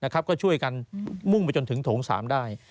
ก็ช่วยกันมุ่งไปจนถึงโถง๓ได้